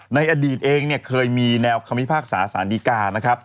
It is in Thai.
ในอดีตเองเคยมีแนวความพิพากษาสารดีกา